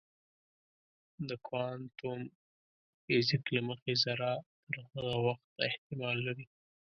د کوانتم فزیک له مخې ذره تر هغه وخته احتمال لري.